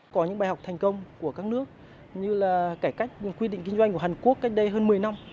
có những bài học thành công của các nước như là cải cách quy định kinh doanh của hàn quốc cách đây hơn một mươi năm